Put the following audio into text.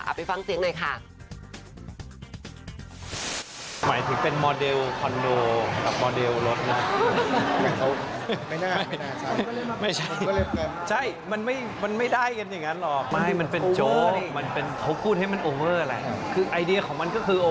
ไปฟังเสียงหน่อยค่ะ